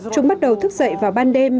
chúng bắt đầu thức dậy vào ban đêm